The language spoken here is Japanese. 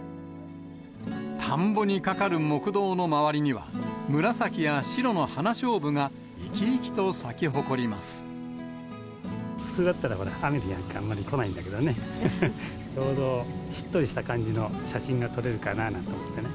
田んぼにかかる木道の周りには、紫や白のハナショウブが生き生き普通だったらほら、雨なんかだとあんまり来ないんだけどね、ちょうどしっとりした感じの写真が撮れるかななんて思ってね。